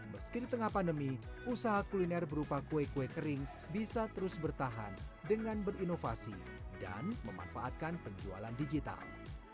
meski di tengah pandemi usaha kuliner berupa kue kue kering bisa terus bertahan dengan berinovasi dan memanfaatkan penjualan digital